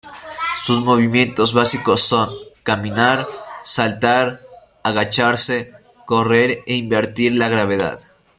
Sus movimientos básicos son: caminar, saltar, agacharse, correr e invertir la gravedad.